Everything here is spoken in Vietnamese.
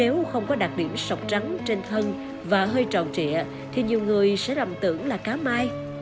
nếu không có đặc điểm sọc trắng trên thân và hơi tròn trịa thì nhiều người sẽ rầm tưởng là cá mai